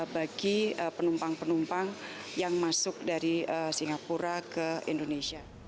bagi penumpang penumpang yang masuk dari singapura ke indonesia